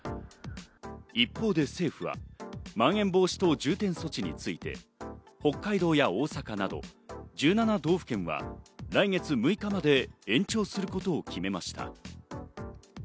一方で政府はまん延防止等重点措置について北海道や大阪など１７道府県は来月６日まで延長することを決めました。